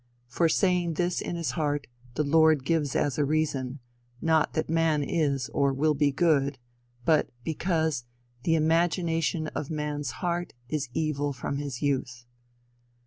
For saying this in his heart the Lord gives as a reason, not that man is, or will be good, but because "the imagination of man's heart is evil from his youth."